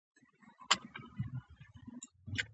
د ماشومانو ورزش د قوت او انرژۍ سبب دی.